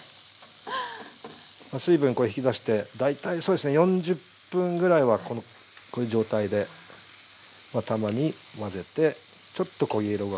水分これ引き出して大体そうですね４０分ぐらいはこういう状態でたまに混ぜてちょっと焦げ色が付いてくるのを待ちます。